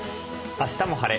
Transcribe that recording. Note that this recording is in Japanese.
「あしたも晴れ！